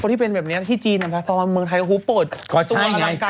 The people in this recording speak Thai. คนว่าเป็นแบบนี้ที่จีนมันเพราะว่าพอมาเมืองไทยก็ไปแย็กเหิง